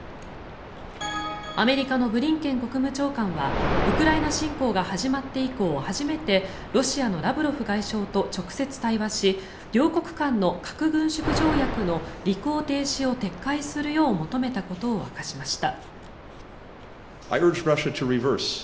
アメリカのブリンケン国務長官はウクライナ侵攻が始まって以降初めてロシアのラブロフ外相と直接対話し両国間の核軍縮条約の履行停止を撤回するよう求めたことを明かしました。